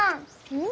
うん？